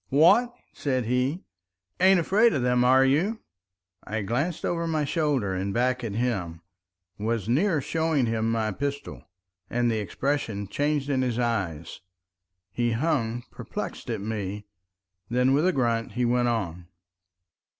"What!" said he. "Ain't afraid of them, are you?" I glanced over my shoulder and back at him, was near showing him my pistol, and the expression changed in his eyes. He hung perplexed at me. Then with a grunt he went on.